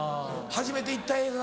初めて行った映画。